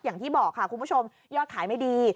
อย่างที่บอกค่ะคุณผู้ชมยอดขายไม่ดี